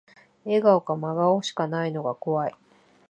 笑顔か真顔しかないのが怖い